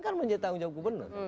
kan menjadi tanggung jawab gubernur